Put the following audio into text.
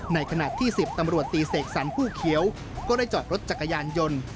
ในขณะที่๑๐ตำรวจตีเสกสรรผู้เขียวก็ได้จอดรถจักรยานยนต์